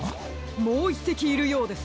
もう１せきいるようです。